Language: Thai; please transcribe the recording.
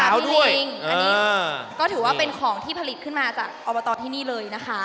จริงอันนี้ก็ถือว่าเป็นของที่ผลิตขึ้นมาจากอบตที่นี่เลยนะคะ